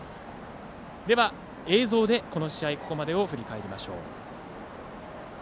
では、映像でこの試合ここまでを振り返りましょう。